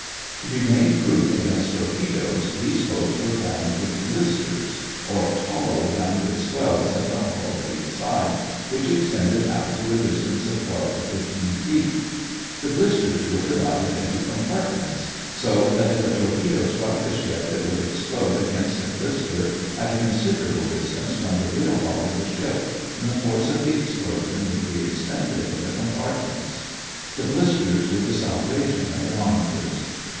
To be made proof against torpedoes these boats were formed with "blisters" or hollow rounded swells in the hull at each side which extended out to a distance of twelve to fifteen feet. The blisters were subdivided into compartments, so that if a torpedo struck the ship it would explode against a blister at a considerable distance from the real hull of the ship and the force of the explosion would be expended in the compartments. The blisters were the salvation of the monitors.